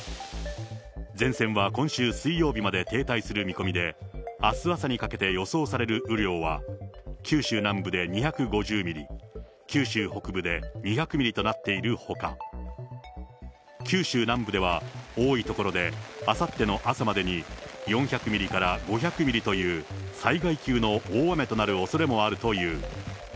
前線は今秋水曜日迄停滞する見込みで、あす朝にかけて予想される雨量は、九州南部で２５０ミリ、九州北部で２００ミリとなっているほか、九州南部では多い所であさっての朝までに、４００ミリから５００ミリという災害級の大雨となるおそれもあるという。